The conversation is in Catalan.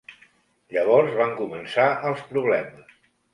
Llavors van començar els problemes.